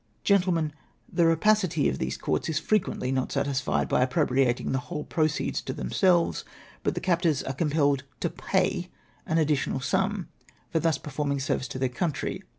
Gentlemen, the rapacity of these courts is frequently not satisfied by appropriating the ivJtole proceeds to themselves, but the captors are compelled to jjay an additional sum for thus performing a service to their country.